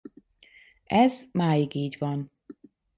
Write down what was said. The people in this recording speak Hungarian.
Ez máig így van-.